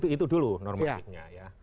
itu dulu normatiknya iya